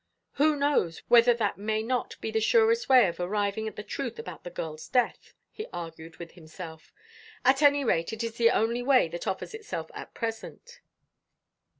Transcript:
"Who knows whether that may not be the surest way of arriving at the truth about the girl's death?" he argued with himself. "At any rate it is the only way that offers itself at present."